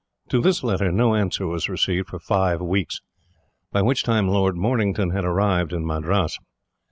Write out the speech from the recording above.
To this letter no answer was received for five weeks, by which time Lord Mornington had arrived at Madras.